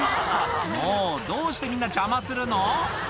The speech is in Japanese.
もうどうしてみんな邪魔するの？